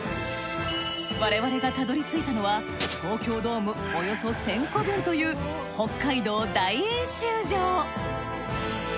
我々がたどり着いたのは東京ドームおよそ１，０００個分という北海道大演習場。